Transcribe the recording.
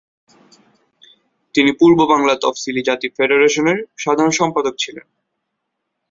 তিনি পূর্ব বাংলা তফসিলি জাতি ফেডারেশনের সাধারণ সম্পাদক ছিলেন।